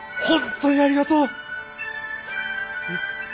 本当にありがとう。